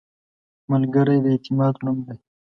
ملګری د اعتماد نوم دی